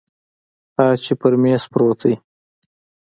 ها چې پر میز پروت دی